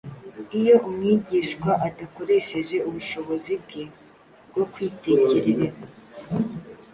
Iyo umwigishwa adakoresheje ubushobozi bwe bwo kwitekerereza